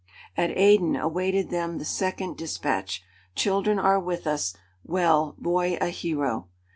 At Aden awaited them the second despatch: "Children are with us. Well. Boy a hero."